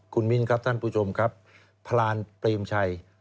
คุณมิ้นครับท่านผู้ชมครับพรานเปรมชัย